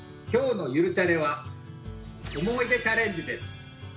今日の「ゆるチャレ」は思い出チャレンジです。